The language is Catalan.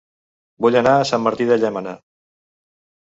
Vull anar a Sant Martí de Llémena